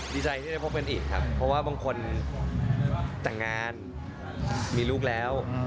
ดีใจที่ได้พบกันอีกครับเพราะว่าบางคนแต่งงานมีลูกแล้ว